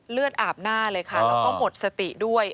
เลือดอาบหน้าเลยค่ะแล้วก็หมดสติด้วย